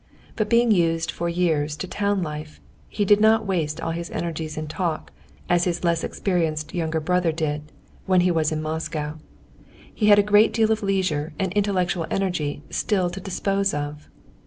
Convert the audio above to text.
But being used for years to town life, he did not waste all his energies in talk, as his less experienced younger brother did, when he was in Moscow. He had a great deal of leisure and intellectual energy still to dispose of.